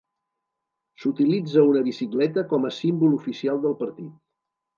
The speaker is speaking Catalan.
S"utilitza una bicicleta com a símbol oficial del partit.